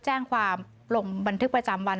แจ้งความลงบันทึกประจำวัน